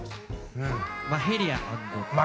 マヘリア。